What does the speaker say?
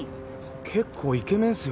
結構イケメンっすよ